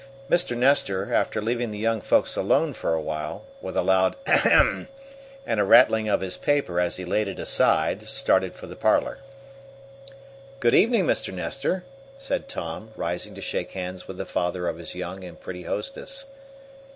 Mr. Nestor, after leaving the young folks alone for a while, with a loud "Ahem!" and a rattling of his paper as he laid it aside, started for the parlor. "Good evening, Mr. Nestor!" said Tom, rising to shake hands with the father of his young and pretty hostess.